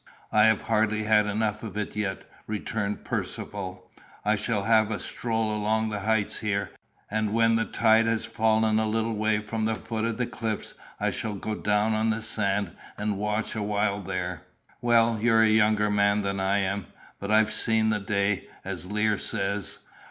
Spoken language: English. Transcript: "I have hardly had enough of it yet," returned Percivale. "I shall have a stroll along the heights here, and when the tide has fallen a little way from the foot of the cliffs I shall go down on the sands and watch awhile there." "Well, you're a younger man than I am; but I've seen the day, as Lear says.